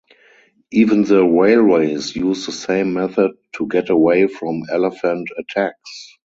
Even the Railways use the same method to get away from Elephant attacks.